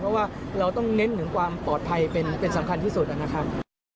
เพราะว่าเราต้องเน้นถึงความปลอดภัยเป็นสำคัญที่สุดนะครับ